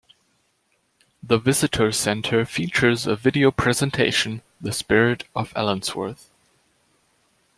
The visitor center features a video presentation, The Spirit of Allensworth.